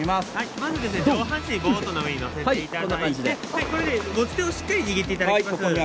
まず上半身をボートの上に乗せていただいてこれで持ち手をしっかり握っていただきます。